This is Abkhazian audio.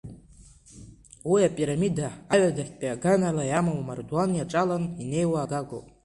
Уи апирамида аҩадахьтәи аганала иамоу амардуан иаҿалан инеиуа агагоуп.